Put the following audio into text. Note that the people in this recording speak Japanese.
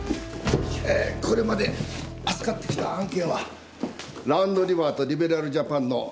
ええこれまで扱ってきた案件はラウンドリバーとリベラルジャパンのライセンス契約